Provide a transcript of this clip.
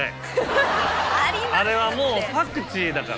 あれはもうパクチーだから。